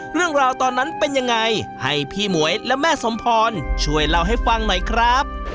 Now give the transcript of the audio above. เรื่องราวตอนนั้นเป็นยังไงให้พี่หมวยและแม่สมพรช่วยเล่าให้ฟังหน่อยครับ